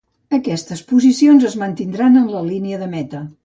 Aquestes posicions es mantindran en la línia de meta.